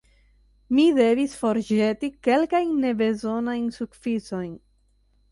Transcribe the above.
Mi devis forĵeti kelkajn nebezonajn sufiksojn.